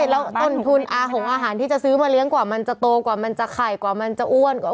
แล้วต้นทุนอาหงอาหารที่จะซื้อมาเลี้ยงกว่ามันจะโตกว่ามันจะไข่กว่ามันจะอ้วนกว่า